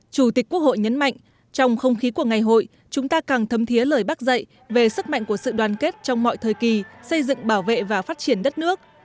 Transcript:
chủ tịch quốc hội nhấn mạnh trong không khí của ngày hội chúng ta càng thấm thiế lời bác dạy về sức mạnh của sự đoàn kết trong mọi thời kỳ xây dựng bảo vệ và phát triển đất nước